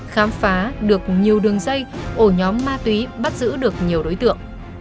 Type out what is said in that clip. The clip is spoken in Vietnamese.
khám phá được nhiều đường dây ổ nhóm ma túy bắt giữ được nhiều đối tượng